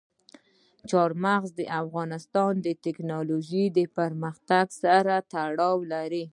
چار مغز د افغانستان د تکنالوژۍ پرمختګ سره تړاو لري.